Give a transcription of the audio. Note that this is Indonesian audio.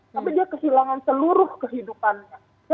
tapi dia kehilangan seluruh kehidupannya